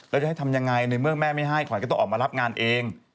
แล้วจะให้ทำยังไงในเมื่อแม่ไม่ให้ขวัญก็ต้องออกมารับงานเอง